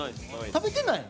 食べてない？